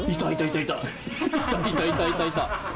いたいたいたいた！